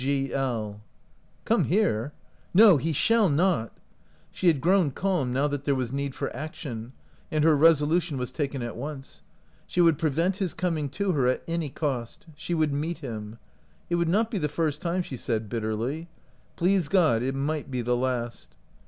G. L. " Come here! No, he shall not! " She had grown calm now that there was need for action, and her resolution was taken at once. She would prevent his coming to her at any cost. She would meet him. It would not be the first time, she said, bitterly. " Please God it might be the last."